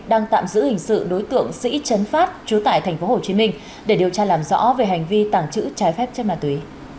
đang tạm giữ hình sự đối tượng sĩ chấn phát trú tại tp hcm để điều tra làm rõ về hành vi tàng trữ trái phép chất ma túy